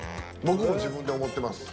僕も自分で思ってます。